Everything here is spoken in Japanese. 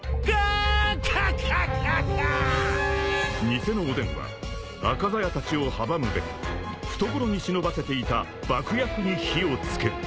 ［偽のおでんは赤鞘たちを阻むべく懐に忍ばせていた爆薬に火を付ける］